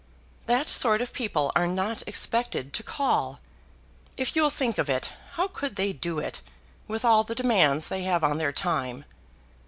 "That sort of people are not expected to call. If you'll think of it, how could they do it with all the demands they have on their time?"